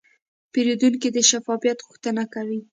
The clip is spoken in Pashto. پیرودونکی د شفافیت غوښتنه کوي.